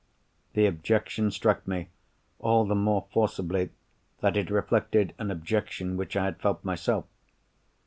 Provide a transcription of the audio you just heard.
The objection struck me, all the more forcibly that it reflected an objection which I had felt myself.